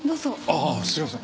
ああすみません。